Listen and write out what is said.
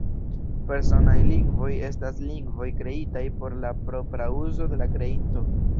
Personaj lingvoj estas lingvoj kreitaj por la propra uzo de la kreinto.